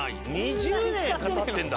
２０年がたってんだ。